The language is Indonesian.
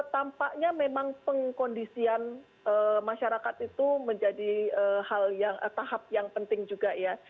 tampaknya memang pengkondisian masyarakat itu menjadi tahap yang penting juga ya